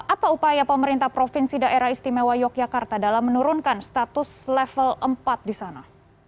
apa upaya pemerintah provinsi daerah istimewa yogyakarta dalam menurunkan status level empat di sana